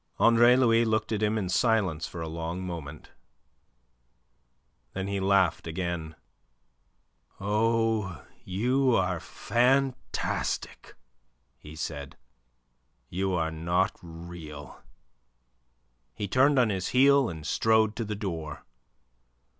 Andre Louis looked at him in silence for a long moment. Then he laughed again. "Oh, you are fantastic," he said. "You are not real." He turned on his heel and strode to the door.